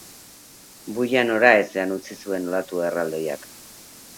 Buia noraezean utzi zuen olatu erraldoiak.